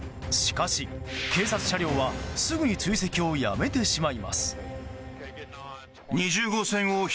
しかし、警察車両はすぐに追跡をやめてしまいます。